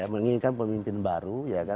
menginginkan pemimpin baru